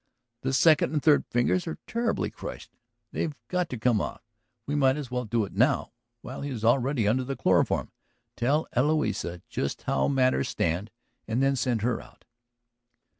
... The second and third fingers are terribly crushed; they've got to come off. We might as well do it now, while he is already under the chloroform. ... Tell Eloisa just how matters stand and then send her out."